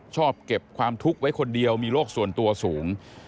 ชอบเก็บความทุกข์ไว้คนเดียวมีโรคส่วนตัวสูง